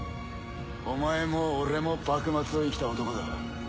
お前も俺も幕末を生きた男だ。